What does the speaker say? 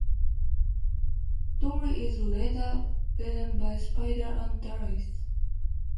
Doli is later bitten by spider and dies.